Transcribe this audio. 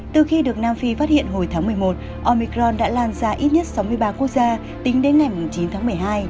từ khi được nam phi phát hiện hồi tháng một mươi một omicron đã lan ra ít nhất sáu mươi ba quốc gia tính đến ngày chín tháng một mươi hai